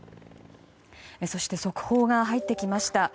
そして速報が入ってきました。